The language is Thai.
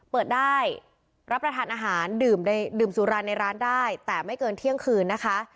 เปิดได้รับประทานอาหารดื่มสุราในร้านได้แต่ไม่เกินเที่ยงคืนนะคะ